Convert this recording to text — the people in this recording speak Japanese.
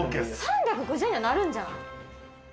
３５０にはなるんじゃない？